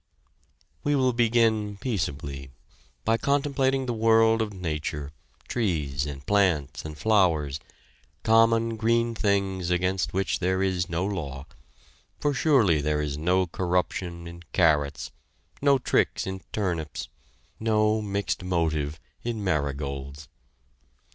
We will begin peaceably by contemplating the world of nature, trees and plants and flowers, common green things against which there is no law for surely there is no corruption in carrots, no tricks in turnips, no mixed motive in marigolds.